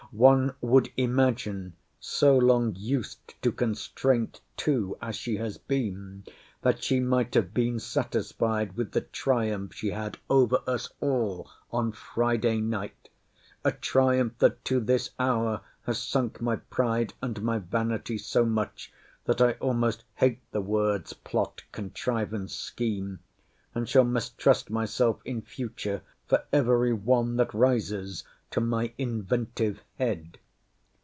One would imagine (so long used to constraint too as she has been) that she might have been satisfied with the triumph she had over us all on Friday night! a triumph that to this hour has sunk my pride and my vanity so much, that I almost hate the words, plot, contrivance, scheme; and shall mistrust myself in future for every one that rises to my inventive head.